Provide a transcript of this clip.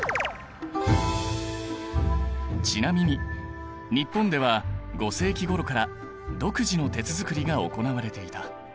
ちなみに日本では５世紀ごろから独自の鉄づくりが行われていた。